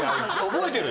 覚えてる？